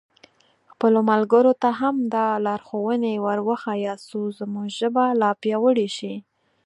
خپلو ملګرو ته هم دا لارښوونې ور وښیاست څو زموږ ژبه لا پیاوړې شي.